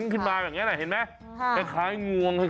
ถูกต้องมันจะเงยเงินขึ้นมาแบบนี้เห็นไหม